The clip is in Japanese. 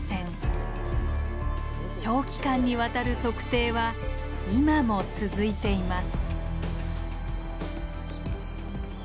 長期間にわたる測定は今も続いています。